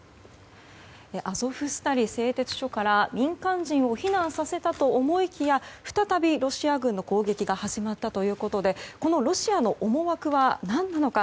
アゾフスタリ製鉄所から民間人を避難させたと思いきや再びロシア軍の攻撃が始まったということでこのロシアの思惑は一体何なのか。